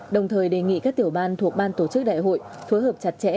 đồng thời đề nghị các tiểu ban thuộc ban tổ chức đại hội phối hợp chặt chẽ